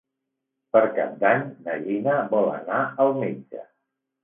Per Cap d'Any na Gina vol anar al metge.